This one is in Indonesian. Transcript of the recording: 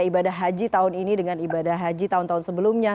ibadah haji tahun ini dengan ibadah haji tahun tahun sebelumnya